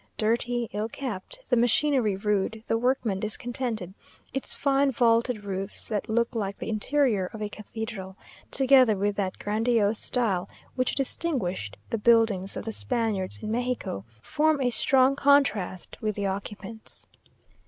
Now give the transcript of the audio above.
Dirty, ill kept, the machinery rude, the workmen discontented; its fine vaulted roofs, that look like the interior of a cathedral, together with that grandiose style which distinguished the buildings of the Spaniards in Mexico, form a strong contrast with the occupants.